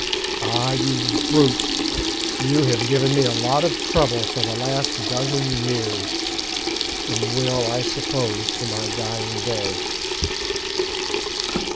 "Ah, you brute! you have given me a lot of trouble for the last dozen years, and will, I suppose to my dying day."